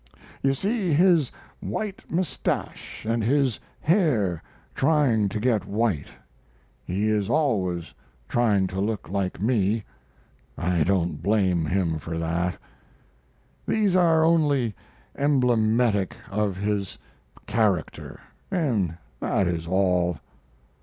You see his white mustache and his hair trying to get white (he is always trying to look like me I don't blame him for that). These are only emblematic of his character, and that is all.